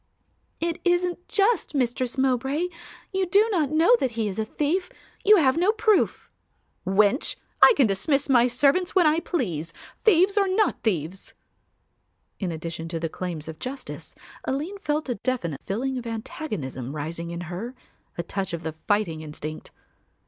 "It isn't just, Mistress Mowbray. You do not know that he is a thief; you have no proof." "Wench, I can dismiss my servants when I please, thieves or not thieves." In addition to the claims of justice Aline felt a definite feeling of antagonism rising in her, a touch of the fighting instinct.